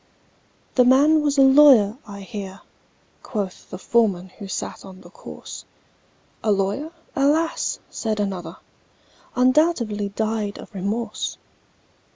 "The man was a lawyer, I hear," Quoth the foreman who sat on the corse. "A lawyer? Alas!" said another, "Undoubtedly died of remorse!"